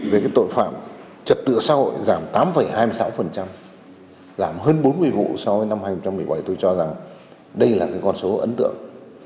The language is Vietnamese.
về tội phạm trật tự xã hội giảm tám hai mươi sáu giảm hơn bốn mươi vụ so với năm hai nghìn một mươi bảy tôi cho rằng đây là con số ấn tượng